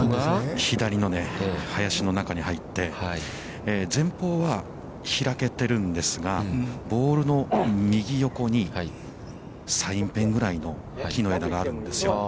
◆左の林の中に入って、前方は、開けてるんですが、ボールの右横に、サインペンぐらいの木の枝があるんですよ。